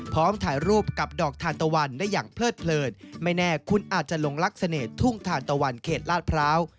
ถ่ายรูปกับดอกทานตะวันได้อย่างเพลิดเลิศไม่แน่คุณอาจจะหลงลักษณ์ทุ่งทานตะวันเขตลาดพร้าว